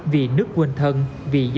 vì nước quên thân vì dân phục vụ